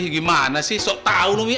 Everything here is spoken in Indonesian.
gimana sih sok tau umi